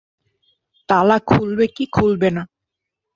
তালা খুলবে কি খুলবে না?